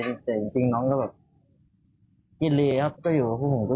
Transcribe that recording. แต่จะทักลูก